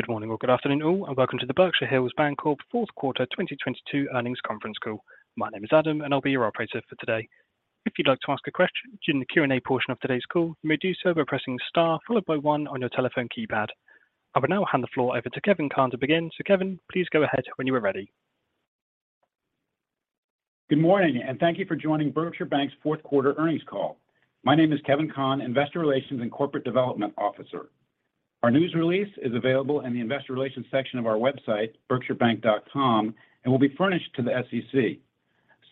Good morning or good afternoon all, welcome to the Berkshire Hills Bancorp Fourth Quarter 2022 Earnings Conference Call. My name is Adam, I'll be your operator for today. If you'd like to ask a question during the Q&A portion of today's call, you may do so by pressing star followed by one on your telephone keypad. I will now hand the floor over to Kevin Conn to begin. Kevin, please go ahead when you are ready. Good morning, thank you for joining Berkshire Bank's fourth quarter earnings call. My name is Kevin Conn, Investor Relations and Corporate Development Officer. Our news release is available in the investor relations section of our website, berkshirebank.com, and will be furnished to the SEC.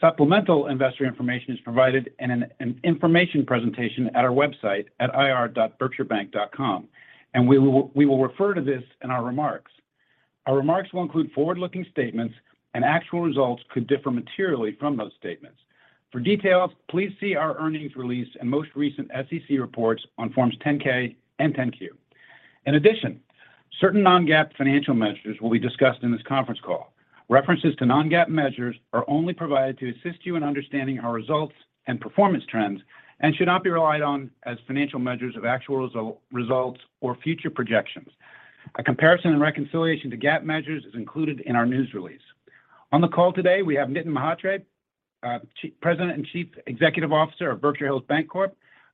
Supplemental investor information is provided in an information presentation at our website at ir.berkshirebank.com. We will refer to this in our remarks. Our remarks will include forward-looking statements and actual results could differ materially from those statements. For details, please see our earnings release and most recent SEC reports on forms 10-K and 10-Q. In addition, certain non-GAAP financial measures will be discussed in this conference call. References to non-GAAP measures are only provided to assist you in understanding our results and performance trends and should not be relied on as financial measures of actual results or future projections. A comparison and reconciliation to GAAP measures is included in our news release. On the call today, we have Nitin Mhatre, President and Chief Executive Officer of Berkshire Hills Bancorp,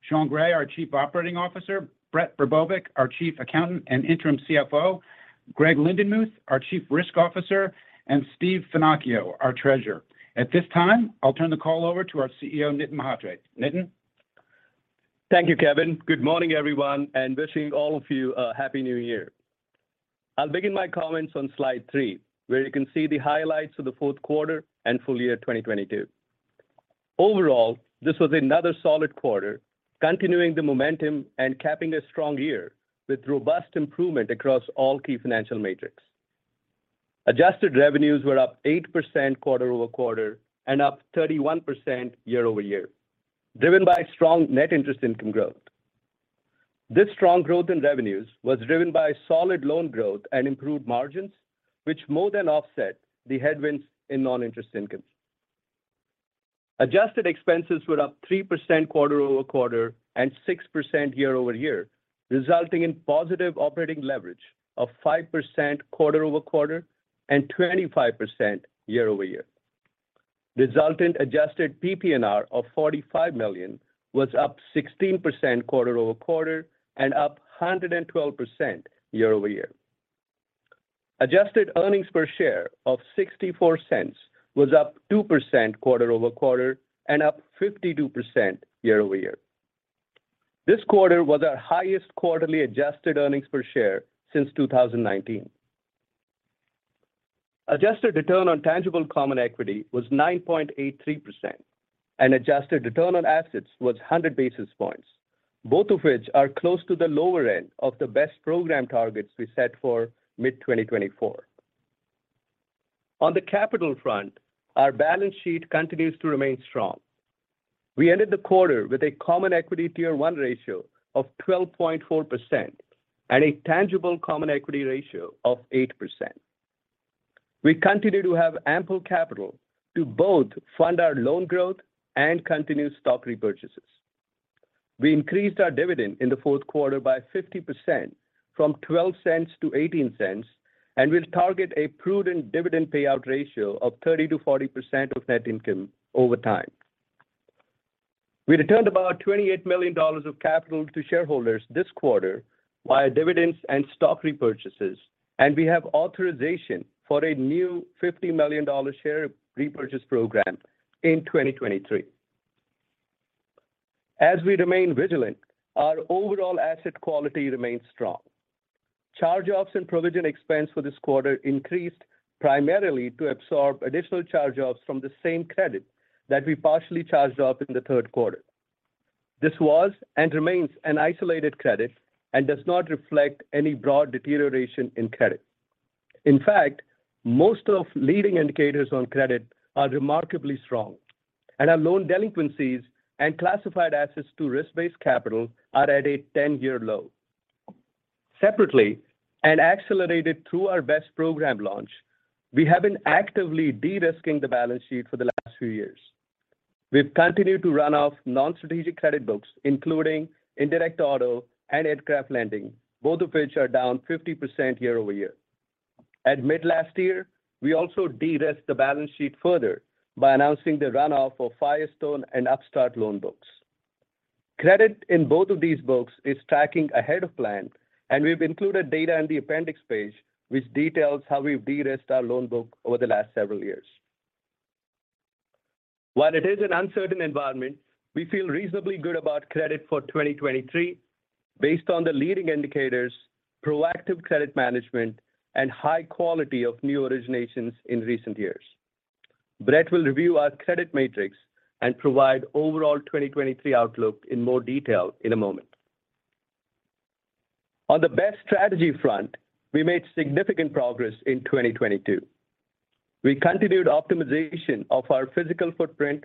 Sean Gray, our Chief Operating Officer, Brett Borbovic, our Chief Accountant and Interim CFO, Greg Lindenmuth, our Chief Risk Officer, and Stephen Finocchio, our Treasurer. At this time, I'll turn the call over to our CEO, Nitin Mhatre. Nitin. Thank you, Kevin. Good morning, everyone. Wishing all of you a Happy New Year. I'll begin my comments on slide three, where you can see the highlights of the fourth quarter and full year 2022. Overall, this was another solid quarter, continuing the momentum and capping a strong year with robust improvement across all key financial metrics. Adjusted revenues were up 8% quarter-over-quarter and up 31% year-over-year, driven by strong net interest income growth. This strong growth in revenues was driven by solid loan growth and improved margins, which more than offset the headwinds in non-interest income. Adjusted expenses were up 3% quarter-over-quarter and 6% year-over-year, resulting in positive operating leverage of 5% quarter-over-quarter and 25% year-over-year. Resultant adjusted PPNR of $45 million was up 16% quarter-over-quarter and up 112% year-over-year. Adjusted earnings per share of $0.64 was up 2% quarter-over-quarter and up 52% year-over-year. This quarter was our highest quarterly adjusted earnings per share since 2019. Adjusted return on tangible common equity was 9.83%, and adjusted return on assets was 100 basis points, both of which are close to the lower end of the BEST program targets we set for mid-2024. On the capital front, our balance sheet continues to remain strong. We ended the quarter with a common equity tier one ratio of 12.4% and a tangible common equity ratio of 8%. We continue to have ample capital to both fund our loan growth and continue stock repurchases. We increased our dividend in the fourth quarter by 50% from $0.12 to $0.18 and will target a prudent dividend payout ratio of 30%-40% of net income over time. We returned about $28 million of capital to shareholders this quarter via dividends and stock repurchases, and we have authorization for a new $50 million share repurchase program in 2023. As we remain vigilant, our overall asset quality remains strong. Charge-offs and provision expense for this quarter increased primarily to absorb additional charge-offs from the same credit that we partially charged off in the third quarter. This was and remains an isolated credit and does not reflect any broad deterioration in credit. In fact, most of leading indicators on credit are remarkably strong and our loan delinquencies and classified assets to risk-based capital are at a 10-year low. Separately, and accelerated through our BEST program launch, we have been actively de-risking the balance sheet for the last few years. We've continued to run off non-strategic credit books, including indirect auto and aircraft lending, both of which are down 50% year-over-year. At mid last year, we also de-risked the balance sheet further by announcing the run-off of Firestone and Upstart loan books. Credit in both of these books is tracking ahead of plan, and we've included data in the appendix page which details how we've de-risked our loan book over the last several years. While it is an uncertain environment, we feel reasonably good about credit for 2023 based on the leading indicators, proactive credit management, and high quality of new originations in recent years. Brett will review our credit matrix and provide overall 2023 outlook in more detail in a moment. On the BEST strategy front, we made significant progress in 2022. We continued optimization of our physical footprint,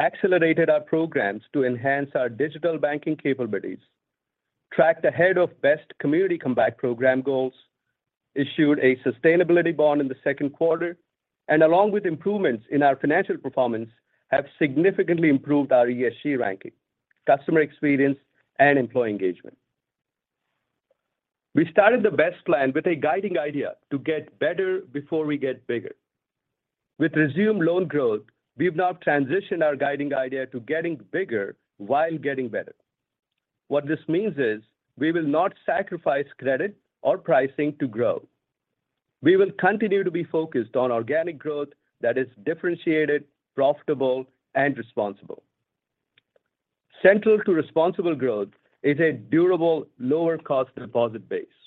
accelerated our programs to enhance our digital banking capabilities, tracked ahead of BEST Community Comeback program goals, issued a sustainability bond in the second quarter, along with improvements in our financial performance, have significantly improved our ESG ranking, customer experience and employee engagement. We started the BEST plan with a guiding idea to get better before we get bigger. With resumed loan growth, we've now transitioned our guiding idea to getting bigger while getting better. What this means is we will not sacrifice credit or pricing to grow. We will continue to be focused on organic growth that is differentiated, profitable, and responsible. Central to responsible growth is a durable, lower cost deposit base.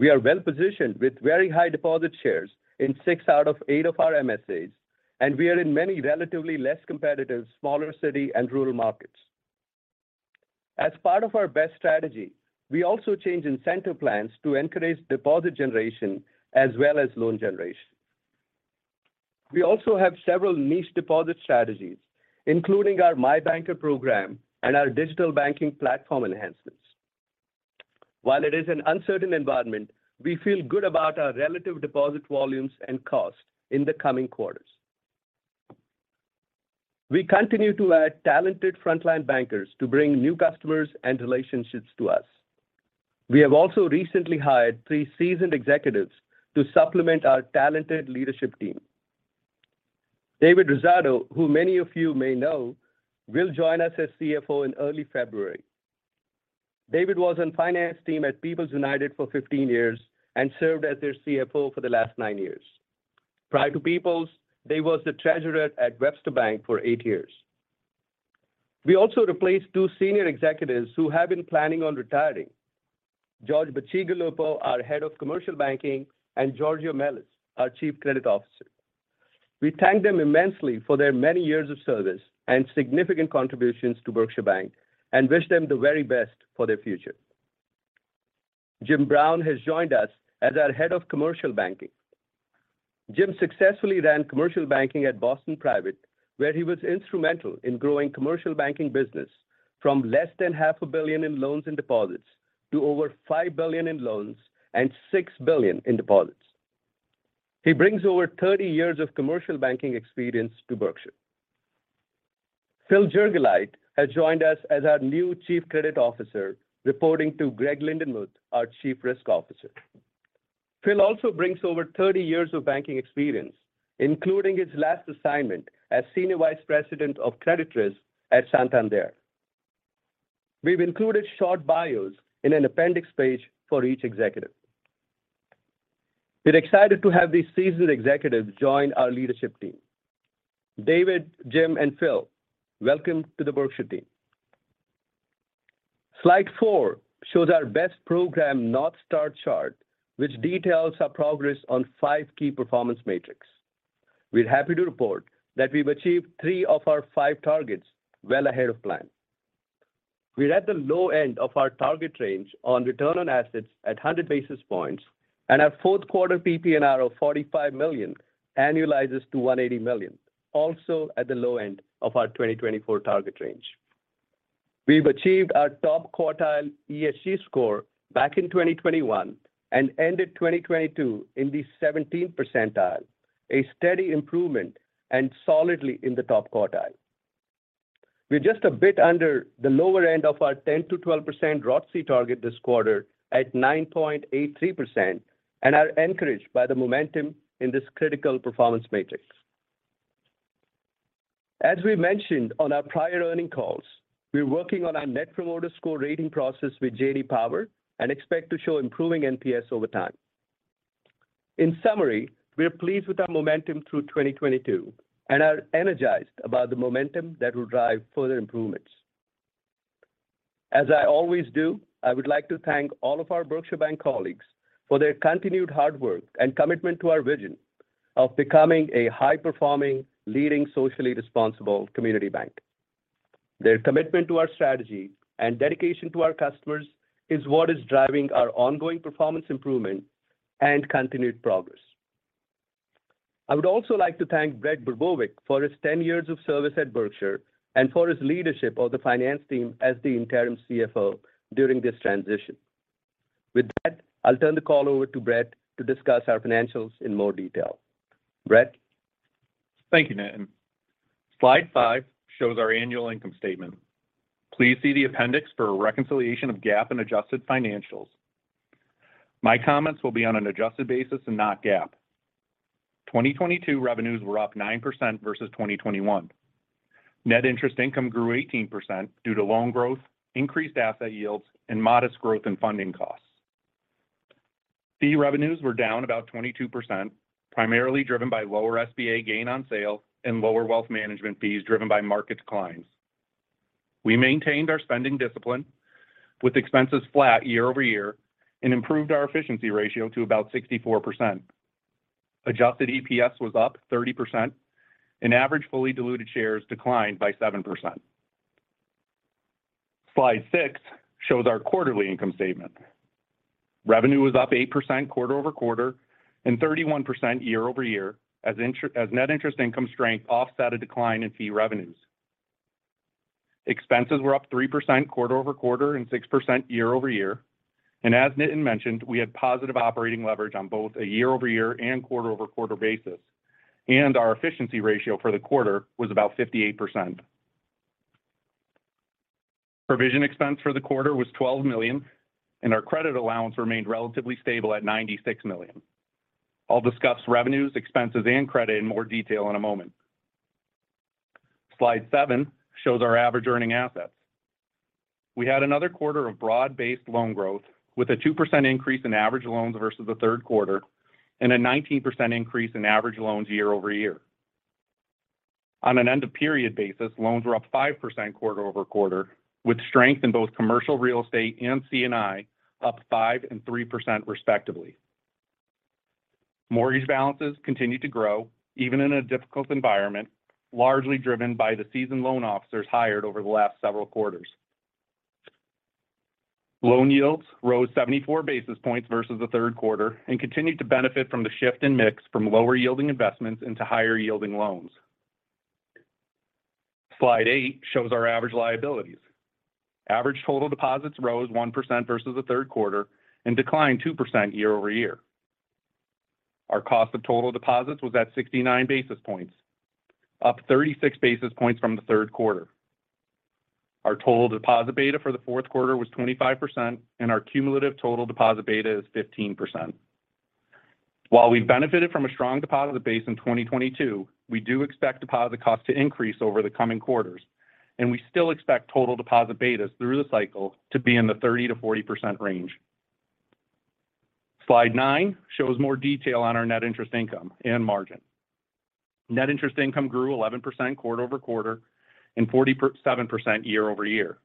We are well-positioned with very high deposit shares in six out of eight of our MSAs, we are in many relatively less competitive smaller city and rural markets. As part of our BEST strategy, we also change incentive plans to encourage deposit generation as well as loan generation. We also have several niche deposit strategies, including our My Banker program and our digital banking platform enhancements. While it is an uncertain environment, we feel good about our relative deposit volumes and cost in the coming quarters. We continue to add talented frontline bankers to bring new customers and relationships to us. We have also recently hired three seasoned executives to supplement our talented leadership team. David Rosato, who many of you may know, will join us as CFO in early February. David was in finance team at People's United for 15 years and served as their CFO for the last nine years. Prior to People's, David was the Treasurer at Webster Bank for eight years. We also replaced two senior executives who have been planning on retiring. George Bacigalupo, our Head of Commercial Banking, and Georgia Melas, our Chief Credit Officer. We thank them immensely for their many years of service and significant contributions to Berkshire Bank and wish them the very best for their future. Jim Brown has joined us as our Head of Commercial Banking. Jim successfully ran commercial banking at Boston Private, where he was instrumental in growing commercial banking business from less than $0.5 billion in loans and deposits to over $5 billion in loans and $6 billion in deposits. He brings over 30 years of commercial banking experience to Berkshire. Phil Jergelite has joined us as our new Chief Credit Officer, reporting to Greg Lindenmuth, our Chief Risk Officer. Phil also brings over 30 years of banking experience, including his last assignment as Senior Vice President of credit risk at Santander. We've included short bios in an appendix page for each executive. We're excited to have these seasoned executives join our leadership team. David, Jim, and Phil, welcome to the Berkshire team. Slide four shows our BEST program North Star chart, which details our progress on five key performance metrics. We're happy to report that we've achieved three of our five targets well ahead of plan. We're at the low end of our target range on return on assets at 100 basis points, and our fourth quarter PPNR of $45 million annualizes to $180 million, also at the low end of our 2024 target range. We've achieved our top quartile ESG score back in 2021 and ended 2022 in the 17th percentile, a steady improvement and solidly in the top quartile. We're just a bit under the lower end of our 10%-12% ROTCE target this quarter at 9.83%. Are encouraged by the momentum in this critical performance matrix. As we mentioned on our prior earning calls, we're working on our net promoter score rating process with J.D. Power and expect to show improving NPS over time. In summary, we are pleased with our momentum through 2022 and are energized about the momentum that will drive further improvements. As I always do, I would like to thank all of our Berkshire Bank colleagues for their continued hard work and commitment to our vision of becoming a high-performing, leading, socially responsible community bank. Their commitment to our strategy and dedication to our customers is what is driving our ongoing performance improvement and continued progress. I would also like to thank Brett Borbovic for his 10 years of service at Berkshire and for his leadership of the finance team as the interim CFO during this transition. I'll turn the call over to Brett to discuss our financials in more detail. Brett. Thank you, Nitin. Slide five shows our annual income statement. Please see the appendix for a reconciliation of GAAP and adjusted financials. My comments will be on an adjusted basis and not GAAP. 2022 revenues were up 9% versus 2021. Net interest income grew 18% due to loan growth, increased asset yields, and modest growth in funding costs. Fee revenues were down about 22%, primarily driven by lower SBA gain on sale and lower wealth management fees driven by market declines. We maintained our spending discipline with expenses flat year-over-year and improved our efficiency ratio to about 64%. Adjusted EPS was up 30% and average fully diluted shares declined by 7%. Slide six shows our quarterly income statement. Revenue was up 8% quarter-over-quarter and 31% year-over-year as net interest income strength offset a decline in fee revenues. Expenses were up 3% quarter-over-quarter and 6% year-over-year. As Nitin mentioned, we had positive operating leverage on both a year-over-year and quarter-over-quarter basis. Our efficiency ratio for the quarter was about 58%. Provision expense for the quarter was $12 million, and our credit allowance remained relatively stable at $96 million. I'll discuss revenues, expenses, and credit in more detail in a moment. Slide seven shows our average earning assets. We had another quarter of broad-based loan growth with a 2% increase in average loans versus the third quarter and a 19% increase in average loans year-over-year. On an end of period basis, loans were up 5% quarter-over-quarter, with strength in both commercial real estate and C&I up 5% and 3% respectively. Mortgage balances continued to grow even in a difficult environment, largely driven by the seasoned loan officers hired over the last several quarters. Loan yields rose 74 basis points versus the third quarter and continued to benefit from the shift in mix from lower-yielding investments into higher-yielding loans. Slide eight shows our average liabilities. Average total deposits rose 1% versus the third quarter and declined 2% year-over-year. Our cost of total deposits was at 69 basis points, up 36 basis points from the third quarter. Our total deposit beta for the fourth quarter was 25%, and our cumulative total deposit beta is 15%. While we benefited from a strong deposit base in 2022, we do expect deposit cost to increase over the coming quarters, and we still expect total deposit betas through the cycle to be in the 30%-40% range. Slide nine shows more detail on our net interest income and margin. Net interest income grew 11% quarter-over-quarter and 47% year-over-year.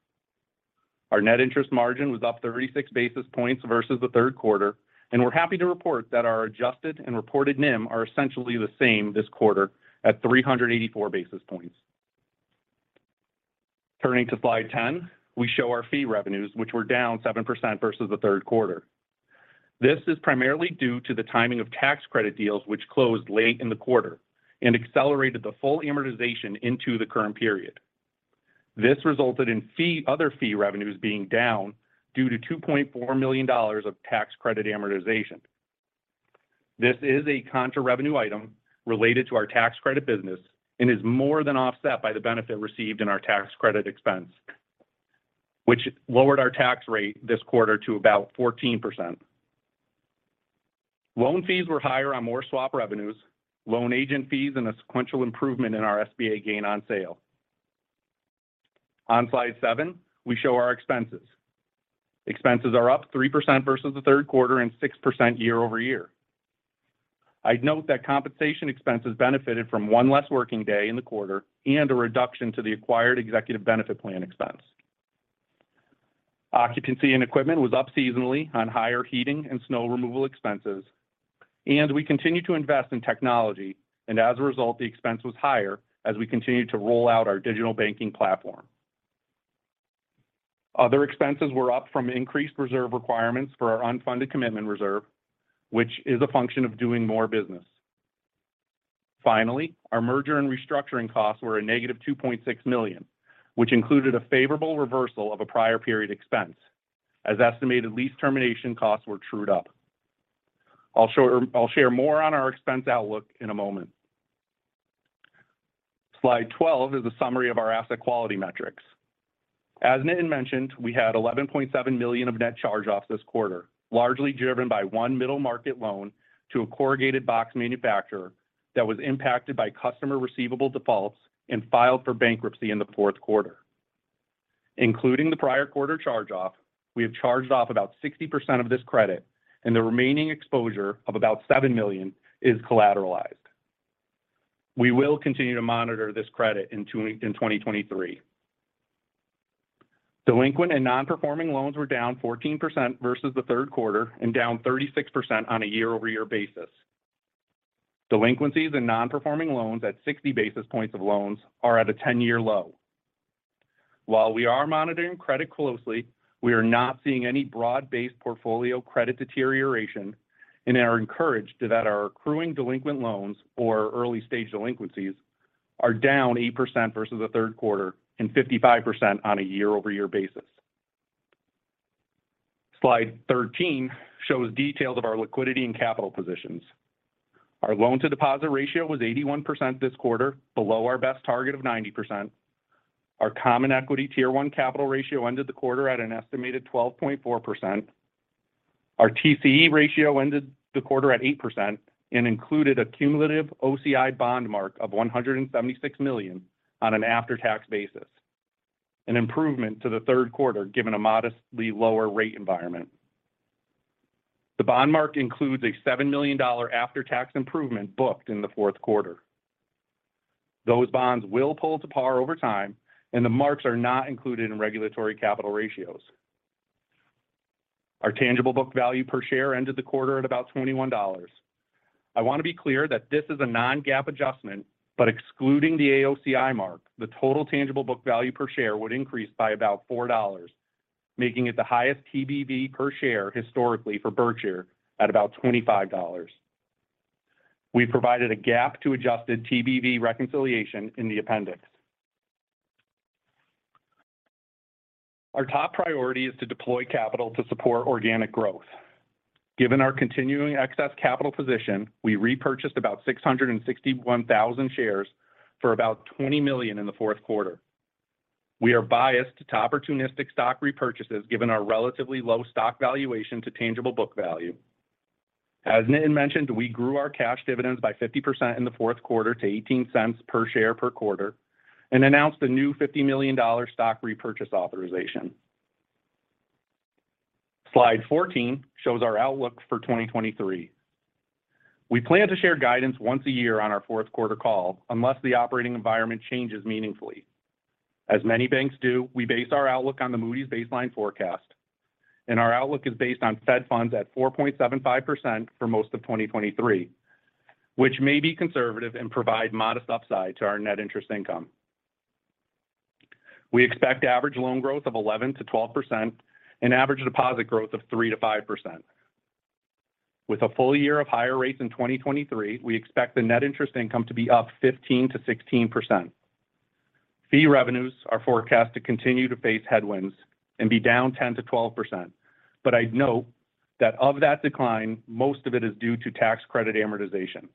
Our net interest margin was up 36 basis points versus the third quarter, and we're happy to report that our adjusted and reported NIM are essentially the same this quarter at 384 basis points. Turning to Slide 10, we show our fee revenues which were down 7% versus the third quarter. This is primarily due to the timing of tax credit deals which closed late in the quarter and accelerated the full amortization into the current period. This resulted in other fee revenues being down due to $2.4 million of tax credit amortization. This is a contra revenue item related to our tax credit business and is more than offset by the benefit received in our tax credit expense, which lowered our tax rate this quarter to about 14%. Loan fees were higher on more swap revenues, loan agent fees, and a sequential improvement in our SBA gain on sale. On slide seven, we show our expenses. Expenses are up 3% versus the third quarter and 6% year-over-year. I'd note that compensation expenses benefited from one less working day in the quarter and a reduction to the acquired executive benefit plan expense. Occupancy and equipment was up seasonally on higher heating and snow removal expenses. We continue to invest in technology. As a result, the expense was higher as we continued to roll out our digital banking platform. Other expenses were up from increased reserve requirements for our unfunded commitment reserve, which is a function of doing more business. Our merger and restructuring costs were a negative $2.6 million, which included a favorable reversal of a prior period expense as estimated lease termination costs were trued up. I'll share more on our expense outlook in a moment. Slide 12 is a summary of our asset quality metrics. As Nitin mentioned, we had $11.7 million of net charge-offs this quarter, largely driven by one middle market loan to a corrugated box manufacturer that was impacted by customer receivable defaults and filed for bankruptcy in the fourth quarter. Including the prior quarter charge-off, we have charged off about 60% of this credit and the remaining exposure of about $7 million is collateralized. We will continue to monitor this credit in 2023. Delinquent and non-performing loans were down 14% versus the third quarter and down 36% on a year-over-year basis. Delinquencies and non-performing loans at 60 basis points of loans are at a 10-year low. While we are monitoring credit closely, we are not seeing any broad-based portfolio credit deterioration and are encouraged that our accruing delinquent loans or early stage delinquencies are down 8% versus the third quarter and 55% on a year-over-year basis. Slide 13 shows details of our liquidity and capital positions. Our loan to deposit ratio was 81% this quarter below our BEST target of 90%. Our common equity Tier 1 capital ratio ended the quarter at an estimated 12.4%. Our TCE ratio ended the quarter at 8% and included a cumulative OCI bond mark of $176 million on an after-tax basis, an improvement to the third quarter given a modestly lower rate environment. The bond mark includes a $7 million after-tax improvement booked in the fourth quarter. Those bonds will pull to par over time, and the marks are not included in regulatory capital ratios. Our tangible book value per share ended the quarter at about $21. I want to be clear that this is a non-GAAP adjustment. Excluding the AOCI mark, the total tangible book value per share would increase by about $4, making it the highest TBV per share historically for Berkshire at about $25. We provided a GAAP to adjusted TBV reconciliation in the appendix. Our top priority is to deploy capital to support organic growth. Given our continuing excess capital position, we repurchased about 661,000 shares for about $20 million in the fourth quarter. We are biased to opportunistic stock repurchases given our relatively low stock valuation to tangible book value. As Nitin mentioned, we grew our cash dividends by 50% in the fourth quarter to $0.18 per share per quarter and announced a new $50 million stock repurchase authorization. Slide 14 shows our outlook for 2023. We plan to share guidance once a year on our fourth quarter call unless the operating environment changes meaningfully. As many banks do, we base our outlook on the Moody's baseline forecast. Our outlook is based on Fed funds at 4.75% for most of 2023, which may be conservative and provide modest upside to our net interest income. We expect average loan growth of 11%-12% and average deposit growth of 3%-5%. With a full year of higher rates in 2023, we expect the net interest income to be up 15%-16%. Fee revenues are forecast to continue to face headwinds and be down 10%-12%. I'd note that of that decline, most of it is due to tax credit amortization.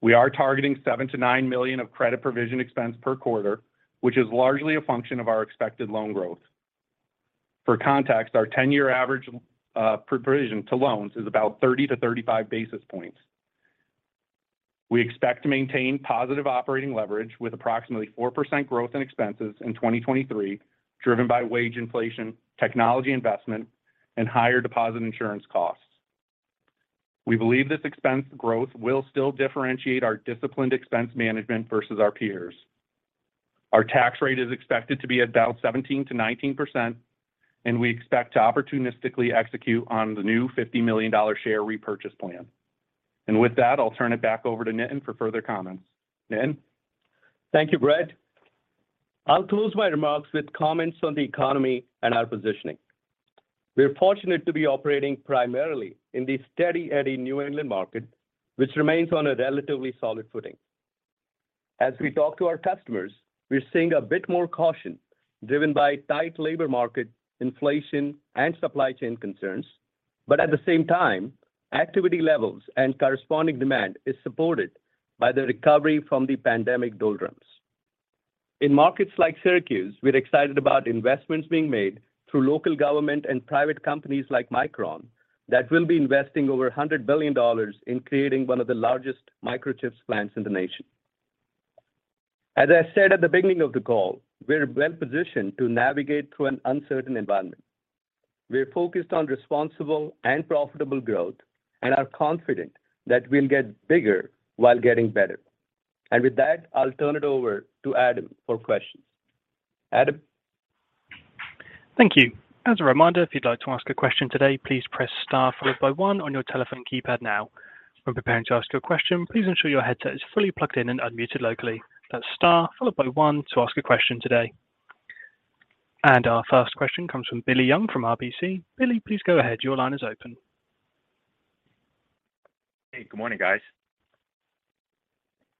We are targeting $7 million-$9 million of credit provision expense per quarter, which is largely a function of our expected loan growth. For context, our 10-year average provision to loans is about 30-35 basis points. We expect to maintain positive operating leverage with approximately 4% growth in expenses in 2023, driven by wage inflation, technology investment, and higher deposit insurance costs. We believe this expense growth will still differentiate our disciplined expense management versus our peers. Our tax rate is expected to be about 17%-19%, and we expect to opportunistically execute on the new $50 million share repurchase plan. With that, I'll turn it back over to Nitin for further comments. Nitin. Thank you, Brett I'll close my remarks with comments on the economy and our positioning. We're fortunate to be operating primarily in the steady Eddie New England market, which remains on a relatively solid footing. As we talk to our customers, we're seeing a bit more caution driven by tight labor market inflation and supply chain concerns. At the same time, activity levels and corresponding demand is supported by the recovery from the pandemic doldrums. In markets like Syracuse, we're excited about investments being made through local government and private companies like Micron that will be investing over $100 billion in creating one of the largest microchips plants in the nation. As I said at the beginning of the call, we're well-positioned to navigate through an uncertain environment. We're focused on responsible and profitable growth and are confident that we'll get bigger while getting better. With that, I'll turn it over to Adam for questions. Adam. Thank you. As a reminder, if you'd like to ask a question today, please press star followed by one on your telephone keypad now. When preparing to ask your question, please ensure your headset is fully plugged in and unmuted locally. That's star followed by one to ask a question today. Our first question comes from Billy Young from RBC. Billy, please go ahead. Your line is open. Hey, good morning, guys.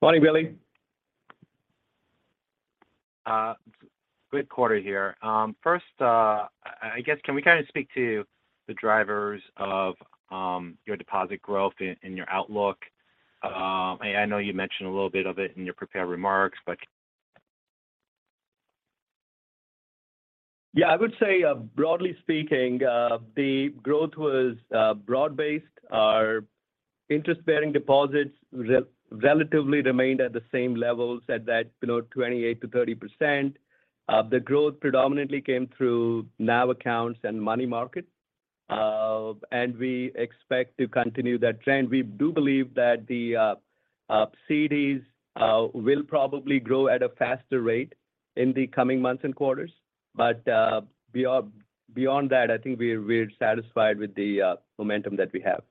Morning, Billy. Good quarter here. First, I guess can we kind of speak to the drivers of your deposit growth and your outlook? I know you mentioned a little bit of it in your prepared remarks but. Yeah, I would say, broadly speaking, the growth was broad-based. Our interest-bearing deposits relatively remained at the same levels at that, you know, 28%-30%. The growth predominantly came through Now accounts and money market. We expect to continue that trend. We do believe that the CDs will probably grow at a faster rate in the coming months and quarters. Beyond that, I think we're satisfied with the momentum that we have.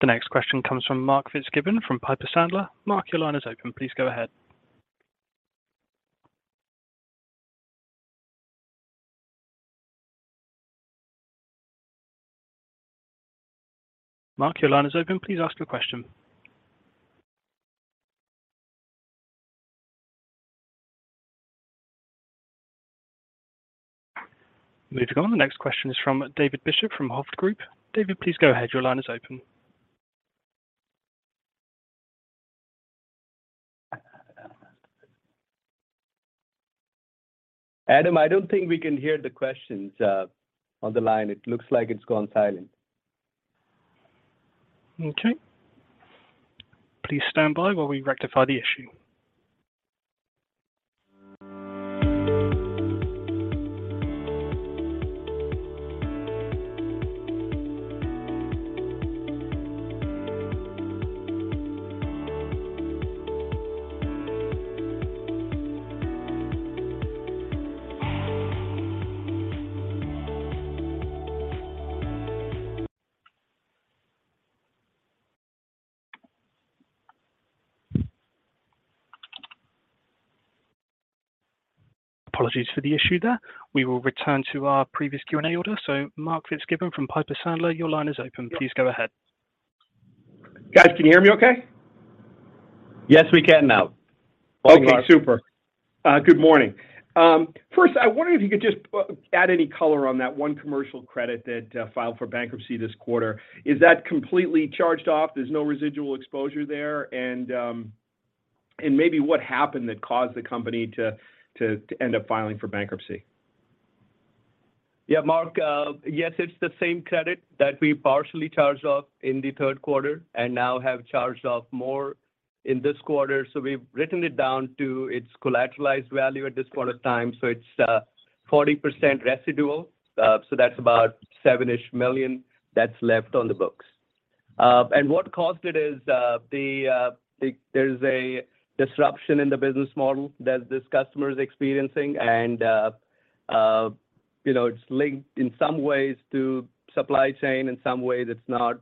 The next question comes from Mark Fitzgibbon from Piper Sandler. Mark, your line is open. Please go ahead. Mark, your line is open. Please ask your question. Moving on. The next question is from David Bishop from Hovde Group. David, please go ahead. Your line is open. Adam, I don't think we can hear the questions on the line. It looks like it's gone silent. Okay. Please stand by while we rectify the issue. Apologies for the issue there. We will return to our previous Q&A order. Mark Fitzgibbon from Piper Sandler, your line is open. Please go ahead. Guys, can you hear me okay? Yes, we can now. Okay. Super. Good morning. First, I wonder if you could just add any color on that one commercial credit that filed for bankruptcy this quarter. Is that completely charged off? There's no residual exposure there? Maybe what happened that caused the company to end up filing for bankruptcy. Yeah, Mark. Yes, it's the same credit that we partially charged off in the third quarter and now have charged off more in this quarter. We've written it down to its collateralized value at this point of time. It's 40% residual, that's about seven-ish million that's left on the books. What caused it is there's a disruption in the business model that this customer is experiencing. You know, it's linked in some ways to supply chain, in some ways it's not.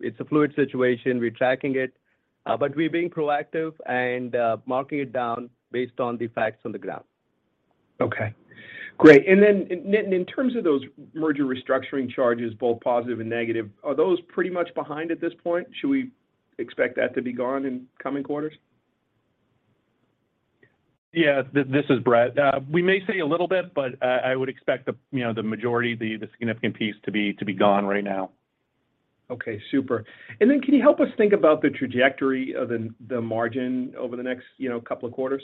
It's a fluid situation. We're tracking it, but we're being proactive and marking it down based on the facts on the ground. Okay, great. In terms of those merger restructuring charges, both positive and negative, are those pretty much behind at this point? Should we expect that to be gone in coming quarters? Yeah, this is Brett. We may see a little bit, but I would expect the, you know, the majority, the significant piece to be gone right now. Okay, super. Can you help us think about the trajectory of the margin over the next, you know, couple of quarters?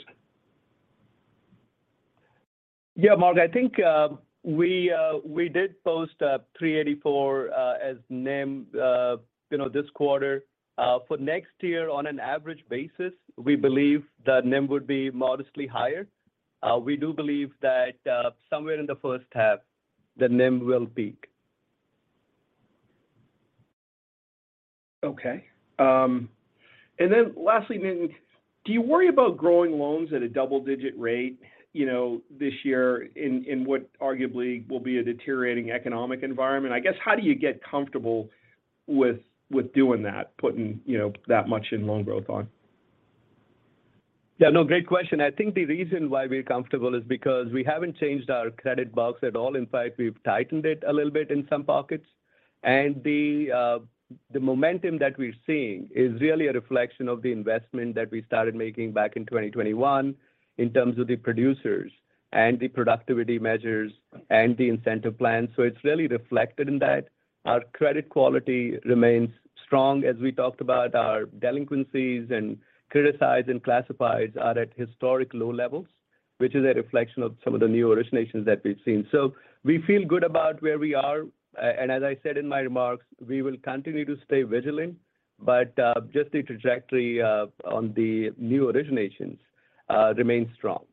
Mark. I think we did post 3.84% as NIM, you know, this quarter. For next year, on an average basis, we believe that NIM would be modestly higher. We do believe that somewhere in the first half, the NIM will peak. Okay. Lastly, Nitin, do you worry about growing loans at a double-digit rate, you know, this year in what arguably will be a deteriorating economic environment? I guess, how do you get comfortable with doing that, putting, you know, that much in loan growth on? Yeah, no, great question. I think the reason why we're comfortable is because we haven't changed our credit box at all. In fact, we've tightened it a little bit in some pockets. The momentum that we're seeing is really a reflection of the investment that we started making back in 2021 in terms of the producers and the productivity measures and the incentive plan. It's really reflected in that. Our credit quality remains strong. As we talked about, our delinquencies and criticized and classifieds are at historic low levels, which is a reflection of some of the new originations that we've seen. We feel good about where we are. As I said in my remarks, we will continue to stay vigilant, but just the trajectory on the new originations remains strong.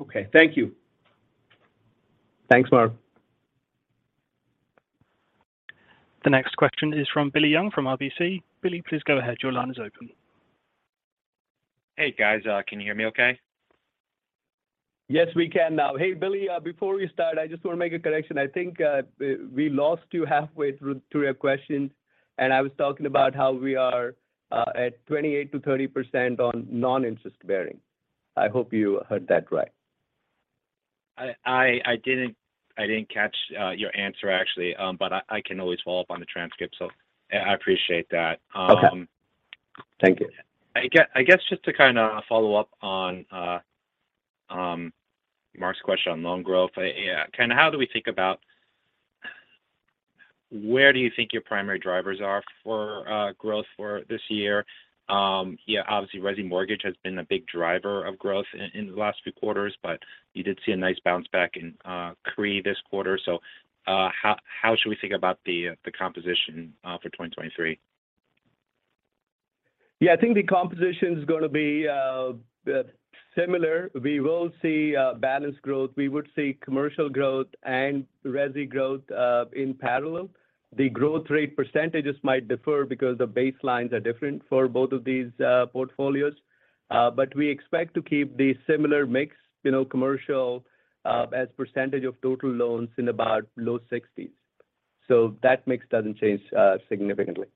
Okay. Thank you. Thanks, Mark. The next question is from Billy Young from RBC. Billy, please go ahead. Your line is open. Hey, guys. Can you hear me okay? Yes, we can now. Hey, Billy, before we start, I just want to make a correction. I think, we lost you halfway through your questions, and I was talking about how we are, at 28% to 30% on non-interest bearing. I hope you heard that right. I didn't catch your answer actually, but I can always follow up on the transcript, so I appreciate that. Okay. Thank you. I guess just to kind of follow up on Mark's question on loan growth. Yeah, kind of how do we think about where do you think your primary drivers are for growth for this year? Yeah, obviously resi mortgage has been a big driver of growth in the last few quarters, but you did see a nice bounce back in CRE this quarter. How should we think about the composition for 2023? Yeah, I think the composition is going to be similar. We will see balance growth. We would see commercial growth and resi growth in parallel. The growth rate percentages might differ because the baselines are different for both of these portfolios. We expect to keep the similar mix, you know, commercial as percentage of total loans in about low sixties. That mix doesn't change significantly.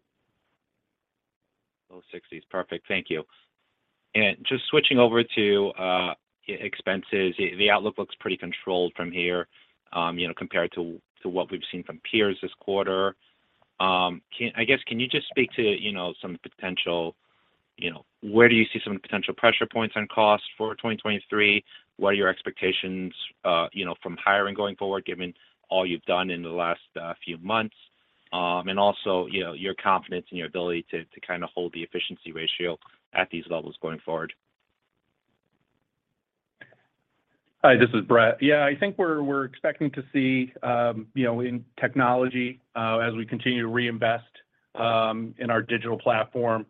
Low sixties. Perfect. Thank you. Just switching over to expenses. The outlook looks pretty controlled from here, you know, compared to what we've seen from peers this quarter. I guess, can you just speak to, you know, some potential, you know, where do you see some potential pressure points on cost for 2023? What are your expectations, you know, from hiring going forward, given all you've done in the last few months? Also, you know, your confidence in your ability to kind of hold the efficiency ratio at these levels going forward. Hi, this is Brett. I think we're expecting to see, you know, in technology, as we continue to reinvest, in our digital platform,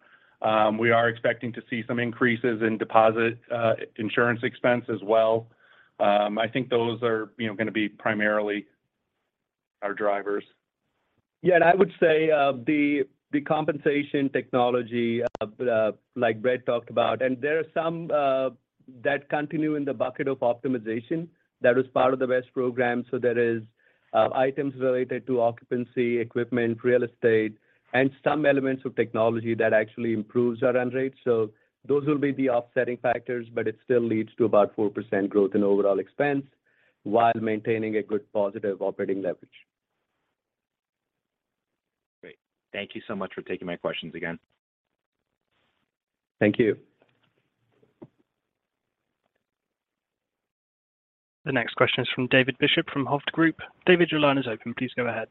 we are expecting to see some increases in deposit, insurance expense as well. I think those are, you know, going to be primarily our drivers. Yeah, I would say, the compensation technology, like Brett talked about. There are some that continue in the bucket of optimization that was part of the BEST program. There is items related to occupancy, equipment, real estate, and some elements of technology that actually improves our run rate. Those will be the offsetting factors, but it still leads to about 4% growth in overall expense while maintaining a good positive operating leverage. Great. Thank you so much for taking my questions again. Thank you. The next question is from David Bishop from Hovde Group. David, your line is open. Please go ahead.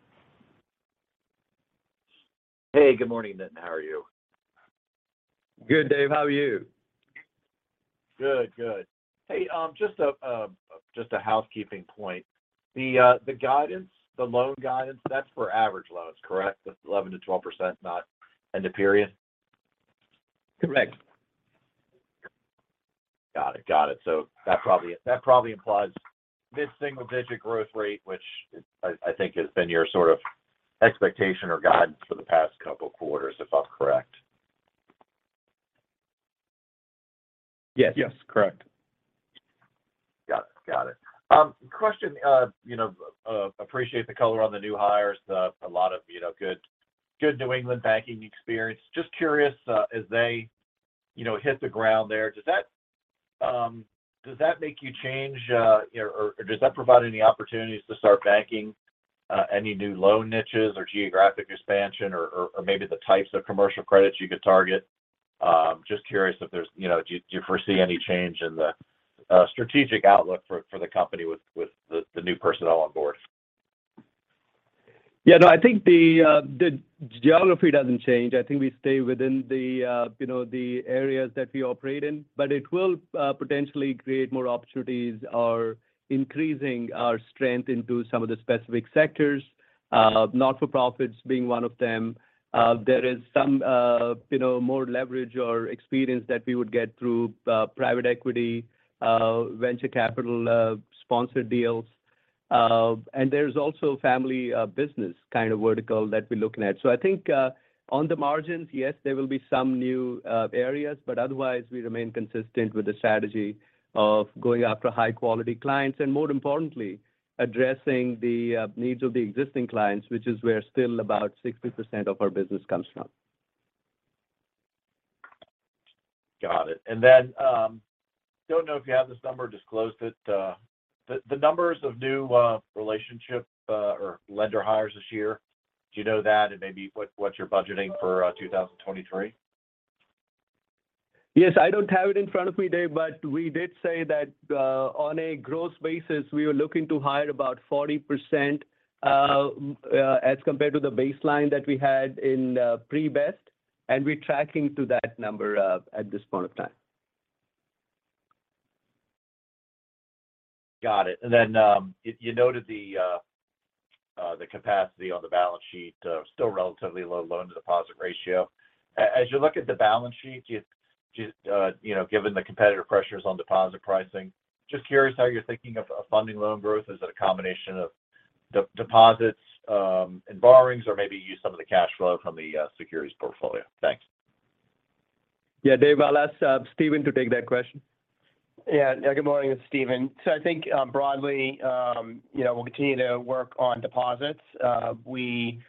Hey, good morning, Nitin. How are you? Good, Dave. How are you? Good. Good. Hey, just a housekeeping point. The guidance, the loan guidance, that's for average loans, correct? The 11%-12%, not end of period. Correct. Got it. Got it. That probably implies mid-single digit growth rate, which I think has been your sort of expectation or guidance for the past couple quarters, if I'm correct? Yes. Yes. Correct. Got it. Got it. Question, you know, appreciate the color on the new hires. A lot of, you know, good New England banking experience. Just curious, as they, you know, hit the ground there, does that make you change, you know, or does that provide any opportunities to start banking, any new loan niches or geographic expansion or maybe the types of commercial credits you could target? Just curious if there's, you know, do you foresee any change in the strategic outlook for the company with the new personnel on board? Yeah. No, I think the geography doesn't change. I think we stay within the, you know, the areas that we operate in. It will potentially create more opportunities or increasing our strength into some of the specific sectors, not-for-profits being one of them. There is some, you know, more leverage or experience that we would get through private equity, venture capital, sponsored deals. There's also family business kind of vertical that we're looking at. I think on the margins, yes, there will be some new areas, but otherwise we remain consistent with the strategy of going after high-quality clients, and more importantly, addressing the needs of the existing clients, which is where still about 60% of our business comes from. Got it. Then, don't know if you have this number or disclosed it. The numbers of new, relationship, or lender hires this year. Do you know that and maybe what you're budgeting for, 2023? Yes. I don't have it in front of me, Dave, but we did say that, on a gross basis, we were looking to hire about 40%, as compared to the baseline that we had in, pre-BEST, and we're tracking to that number, at this point of time. Got it. You noted the capacity on the balance sheet, still relatively low loan-to-deposit ratio. As you look at the balance sheet, do you know, given the competitive pressures on deposit pricing, just curious how you're thinking of funding loan growth. Is it a combination of deposits and borrowings or maybe use some of the cash flow from the securities portfolio? Thanks. Yeah. Dave, I'll ask Stephen to take that question. Yeah. Yeah. Good morning. It's Stephen. I think, broadly, you know, we'll continue to work on deposits. We,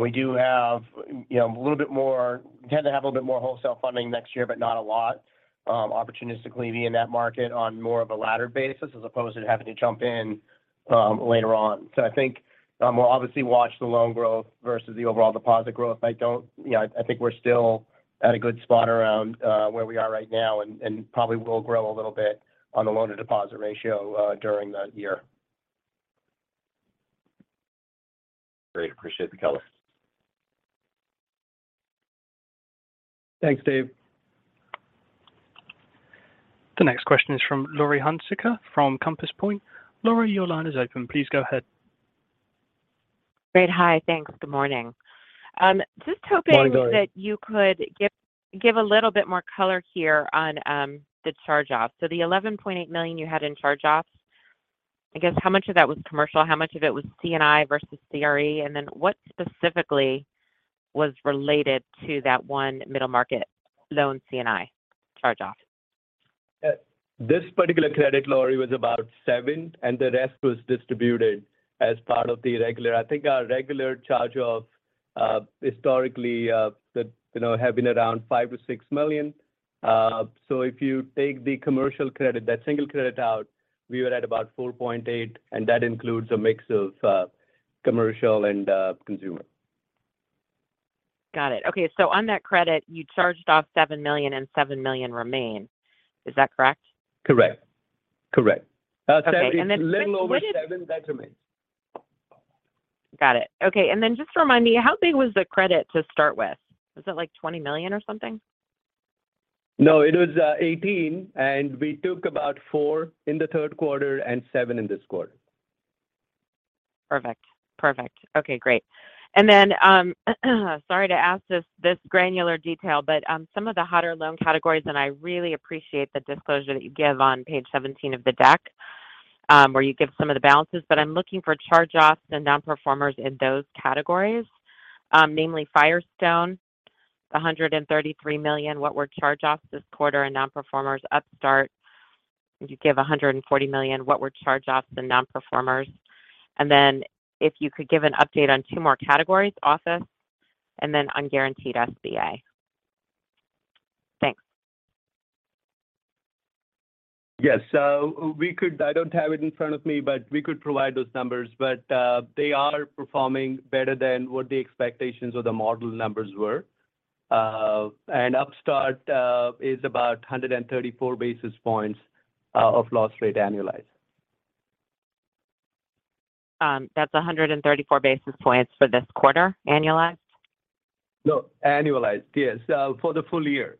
we do have, you know, we tend to have a little bit more wholesale funding next year, but not a lot. Opportunistically be in that market on more of a latter basis as opposed to having to jump in, later on. I think, we'll obviously watch the loan growth versus the overall deposit growth. I think we're still at a good spot around, where we are right now and probably will grow a little bit on the loan-to-deposit ratio, during the year. Great. Appreciate the color. Thanks, Dave. The next question is from Laurie Hunsicker from Compass Point. Laurie, your line is open. Please go ahead. Great. Hi. Thanks. Good morning. Morning, Laurie. That you could give a little bit more color here on the charge-offs. The $11.8 million you had in charge-offs, I guess how much of that was commercial? How much of it was C&I versus CRE? Then what specifically was related to that one middle market loan C&I charge-off? This particular credit, Laurie, was about $7 million, and the rest was distributed as part of the regular. I think our regular charge-off historically, have been around $5 million-$6 million. If you take the commercial credit, that single credit out, we were at about $4.8 million, and that includes a mix of commercial and consumer. Got it. Okay. On that credit, you charged off $7 million and $7 million remain. Is that correct? Correct. Correct. Okay. just. A little over seven that remains. Got it. Okay. Just remind me, how big was the credit to start with? Was it like $20 million or something? No, it was $18, and we took about $4 in the third quarter and $7 in this quarter. Perfect. Perfect. Okay, great. Sorry to ask this granular detail, but, some of the hotter loan categories, and I really appreciate the disclosure that you give on page 17 of the deck, where you give some of the balances. I'm looking for charge-offs and non-performers in those categories, namely Firestone. A $133 million, what were charge-offs this quarter and non-performers Upstart? Did you give $140 million, what were charge-offs and non-performers? If you could give an update on two more categories, office and then unguaranteed SBA. Thanks. Yes. I don't have it in front of me, but we could provide those numbers. They are performing better than what the expectations or the model numbers were. And Upstart is about 134 basis points of loss rate annualized. That's 134 basis points for this quarter, annualized? No. Annualized, yes. For the full year.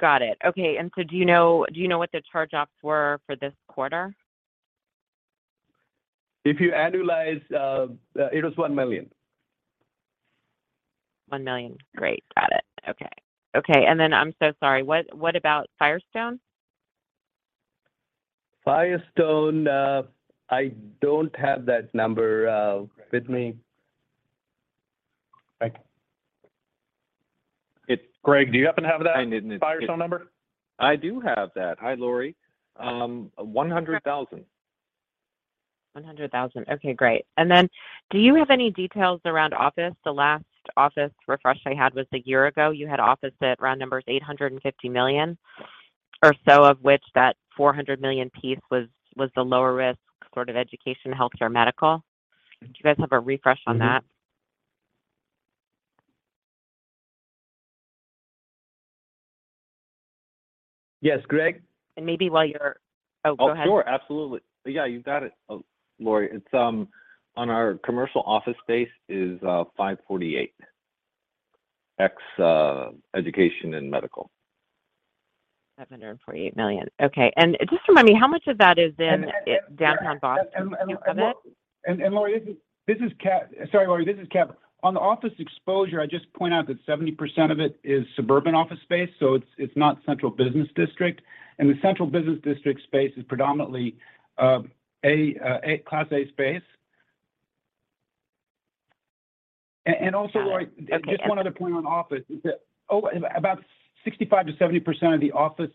Got it. Okay. Do you know what the charge-offs were for this quarter? If you annualize, it was $1 million. $1 million. Great. Got it. Okay. Okay. I'm so sorry, what about Firestone? Firestone, I don't have that number, with me. Okay. Greg, do you happen to have that Firestone number? I didn't. I do have that. Hi, Laurie. $100,000. $100,000. Okay, great. Do you have any details around office? The last office refresh I had was a year ago. You had office at round numbers $850 million or so, of which that $400 million piece was the lower risk sort of education, healthcare, medical. Do you guys have a refresh on that? Yes. Greg? Maybe while you're-- Oh, go ahead. Oh, sure. Absolutely. Yeah, you got it. Oh, Laurie, it's on our commercial office space is 548, education and medical. $748 million. Okay. Just remind me, how much of that is in downtown Boston? Do you have that? Laurie, this is Kevin. On the office exposure, I'd just point out that 70% of it is suburban office space, so it's not central business district. The central business district space is predominantly, A, class A space. Also, Laurie Got it. Just one other point on office, about 65%-70% of the office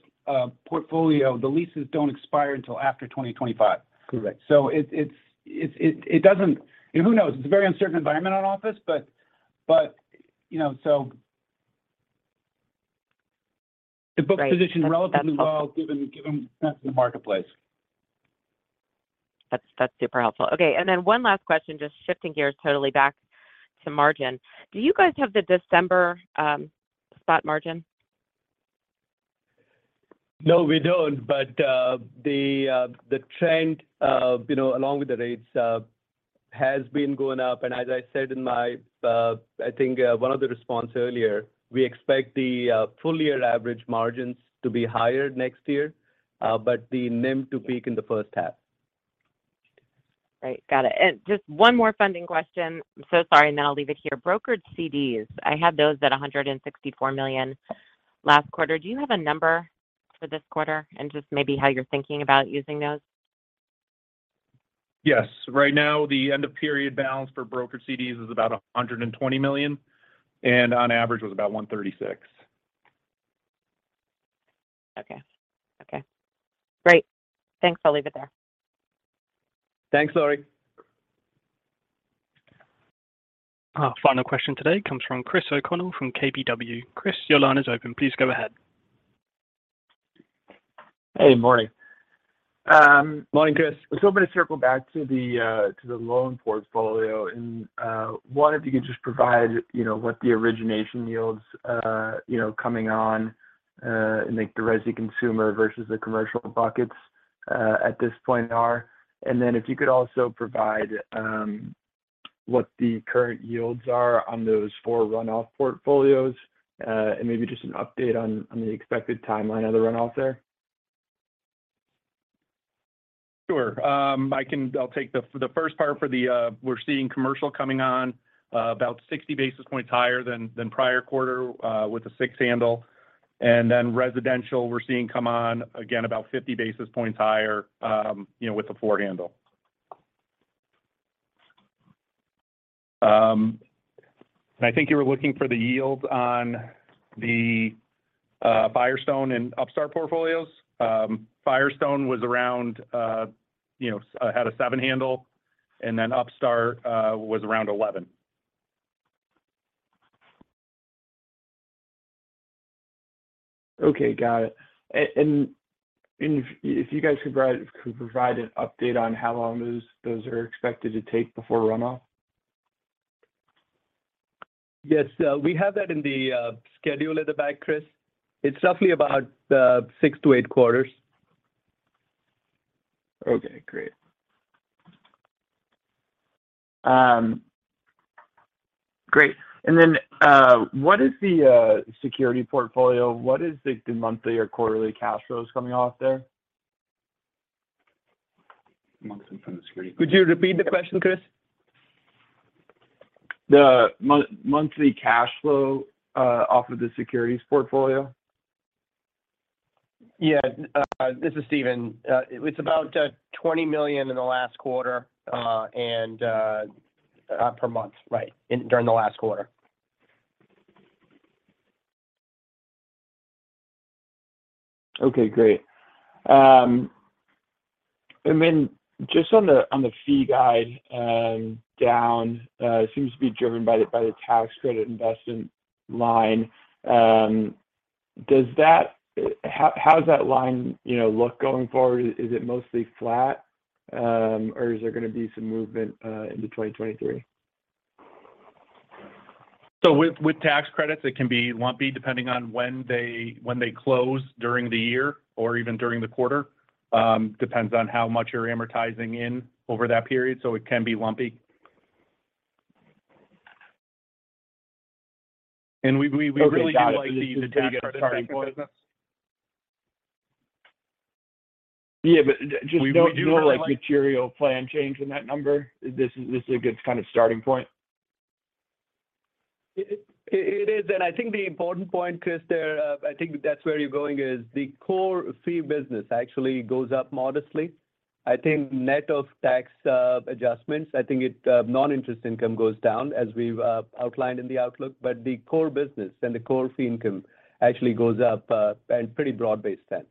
portfolio, the leases don't expire until after 2025. Correct. It doesn't. Who knows? It's a very uncertain environment on office. You know, the book position is relatively well given that's the marketplace. That's super helpful. Okay. One last question, just shifting gears totally back to margin. Do you guys have the December spot margin? No, we don't. The trend, you know, along with the rates, has been going up. As I said in my, I think, one of the response earlier, we expect the full year average margins to be higher next year, but the NIM to peak in the first half. Right. Got it. Just one more funding question. I'm so sorry. Then I'll leave it here. Brokered CDs. I had those at $164 million last quarter. Do you have a number for this quarter and just maybe how you're thinking about using those? Yes. Right now, the end of period balance for brokered CDs is about $120 million, and on average was about $136. Okay. Okay. Great. Thanks. I'll leave it there. Thanks, Laurie. Our final question today comes from Christopher O'Connell from KBW. Chris, your line is open. Please go ahead. Hey. Morning. Morning, Chris. I was hoping to circle back to the to the loan portfolio. One, if you could just provide, you know, what the origination yields, you know, coming on in like the resi consumer versus the commercial buckets at this point are. If you could also provide what the current yields are on those four runoff portfolios, and maybe just an update on the expected timeline of the runoff there. Sure. Um, I can-- I'll take the first part for the, uh, we're seeing commercial coming on, uh, about sixty basis points higher than, than prior quarter, uh, with a six handle. And then residential, we're seeing come on again about fifty basis points higher, um, you know, with a four handle. Um, and I think you were looking for the yields on the, uh, Firestone and Upstart portfolios. Um, Firestone was around, uh, you know, uh, had a seven handle, and then Upstart, uh, was around 11. Okay. Got it. If you guys could provide an update on how long those are expected to take before runoff? Yes. We have that in the schedule at the back, Chris. It's roughly about six-eight quarters. Okay. Great. Great. What is the security portfolio? What is the monthly or quarterly cash flows coming off there? Monthly from the security. Could you repeat the question, Chris? The monthly cash flow off of the securities portfolio. Yeah, this is Stephen. It's about $20 million in the last quarter, per month, right, during the last quarter. Okay, great. Then just on the, on the fee guide, down, seems to be driven by the, by the tax credit investment line. How's that line, you know, look going forward? Is it mostly flat, or is there gonna be some movement into 2023? With tax credits, it can be lumpy depending on when they close during the year or even during the quarter. Depends on how much you're amortizing in over that period, so it can be lumpy. We really do like the tax credit business. Yeah, just no, like, material plan change in that number. This is a good kind of starting point. It is, I think the important point, Chris, there, I think that's where you're going, is the core fee business actually goes up modestly. I think net of tax adjustments, I think it non-interest income goes down as we've outlined in the outlook. The core business and the core fee income actually goes up in pretty broad-based sense.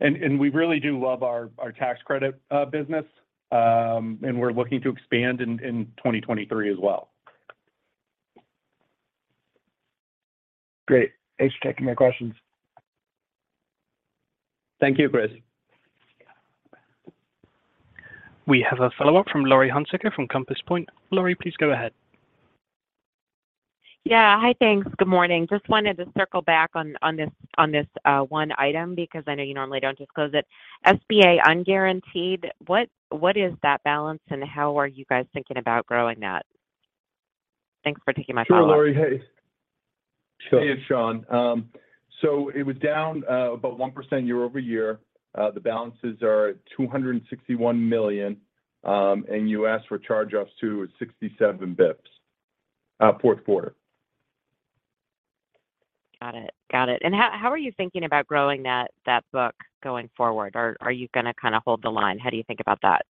We really do love our tax credit business. We're looking to expand in 2023 as well. Great. Thanks for taking my questions. Thank you, Chris. We have a follow-up from Laurie Hunsicker from Compass Point. Laurie, please go ahead. Yeah. Hi. Thanks. Good morning. Just wanted to circle back on this one item because I know you normally don't disclose it. SBA unguaranteed, what is that balance and how are you guys thinking about growing that? Thanks for taking my follow-up. Sure, Laurie. Hey. Hey, it's Sean. It was down about 1% year-over-year. The balances are $261 million, and you asked for charge-offs, too. It's 67 basis points, fourth quarter. Got it. How are you thinking about growing that book going forward? Are you gonna kind of hold the line? How do you think about that?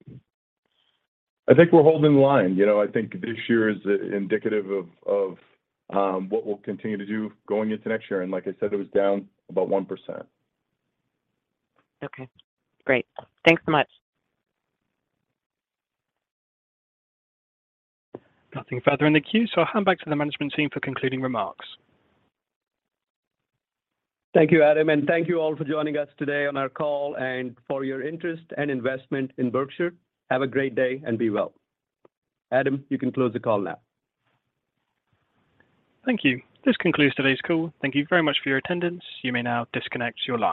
I think we're holding the line. You know, I think this year is indicative of what we'll continue to do going into next year. Like I said, it was down about 1%. Okay, great. Thanks so much. Nothing further in the queue, so I'll hand back to the management team for concluding remarks. Thank you, Adam, and thank you all for joining us today on our call and for your interest and investment in Berkshire. Have a great day and be well. Adam, you can close the call now. Thank you. This concludes today's call. Thank you very much for your attendance. You may now disconnect your line.